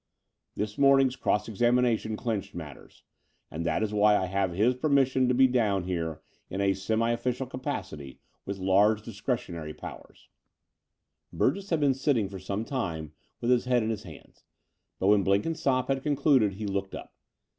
This morning's cross examination clinched matters : and that is why I have his permission to be down here in a semi official capacity with large discretionary powers." it 4t The Dower House 233 Burgess had been sitting for some time with his head in his hands; but, when Blenkinsopp had concluded, he looked up.